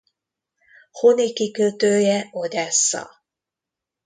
Honi kikötője Odessza.